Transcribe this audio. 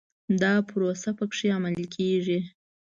دا پروسه په کې عملي کېږي.